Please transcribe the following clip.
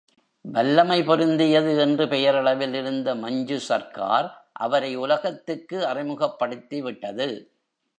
வல்லமை பொருந்தியது என்று பெயரளவில் இருந்த மஞ்சு சர்க்கார் அவரை உலகத்துக்கு அறிமுகப்படுத்திவிட்டது.